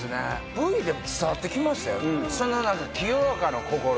Ｖでも伝わってきましたよ